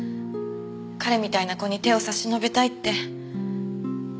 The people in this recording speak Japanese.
彼みたいな子に手を差し伸べたいって。